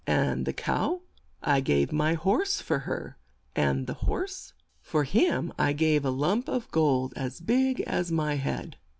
"And the cow?" "I gave my horse for her." "And the horse?" "For him I gave a lump of gold as big as my head."